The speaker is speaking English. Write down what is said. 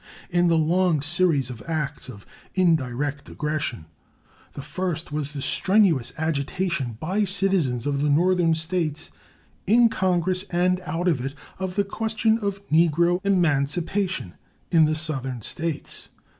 In the long series of acts of indirect aggression, the first was the strenuous agitation by citizens of the Northern States, in Congress and out of it, of the question of Negro emancipation in the Southern States.